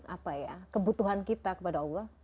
apa ya kebutuhan kita kepada allah